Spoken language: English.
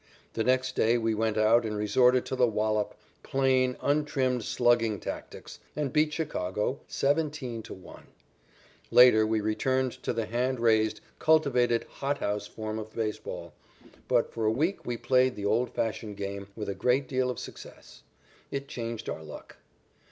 The next day we went out and resorted to the wallop, plain, untrimmed slugging tactics, and beat Chicago 17 to 1. Later we returned to the hand raised, cultivated hot house form of baseball, but for a week we played the old fashioned game with a great deal of success. It changed our luck.